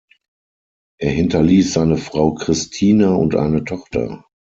Er hinterließ seine Frau Christina und eine Tochter.